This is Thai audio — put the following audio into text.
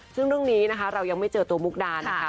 ซึ่งเรื่องนี้นะคะเรายังไม่เจอตัวมุกดานะคะ